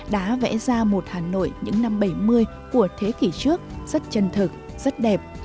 đã vẽ ra một hà nội những năm bảy mươi của thế kỷ trước rất chân thực rất đẹp